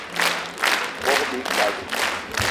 Bogb-ikali